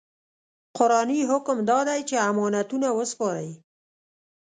قرآني حکم دا دی چې امانتونه وسپارئ.